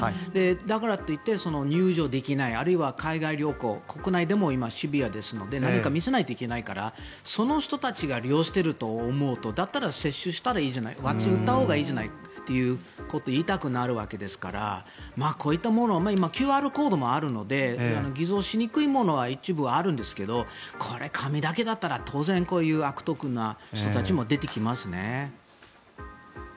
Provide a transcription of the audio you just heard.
だからと言って入場できないあるいは海外旅行国内でも今、シビアですので何か見せないといけないからその人たちが利用していると思うとだったら接種したらいいじゃないワクチンを打ったらいいじゃないということを言いたくなるわけですからこういったものを今、ＱＲコードもあるので偽造しにくいものは一部あるんですがこれ、紙だけだったら当然、こういう悪徳な人たちも出てきますね。